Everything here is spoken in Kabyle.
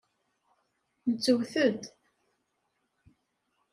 Nettewt-d!